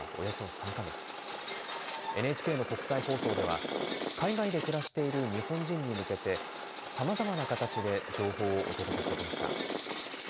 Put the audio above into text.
ＮＨＫの国際放送では海外で暮らしている日本人に向けてさまざまな形で情報をお届けしてきました。